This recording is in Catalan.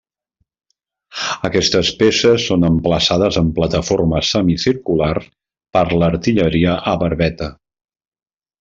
Aquestes peces són emplaçades en plataformes semicirculars per l'artilleria a barbeta.